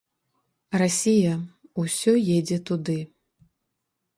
Расія, усё едзе туды.